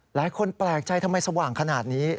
หลายคนแปลกใจทำไมสว่างขนาดนี้